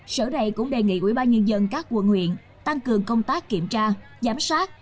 sở này cũng đề nghị ubnd các quân huyện tăng cường công tác kiểm tra giám sát